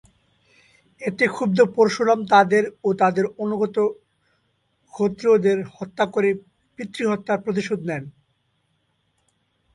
এতে ক্ষুব্ধ পরশুরাম তাদের ও তাদের অনুগত ক্ষত্রিয়দের হত্যা করে পিতৃহত্যার প্রতিশোধ নেন।